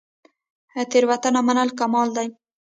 تیروتنه منل کمال دی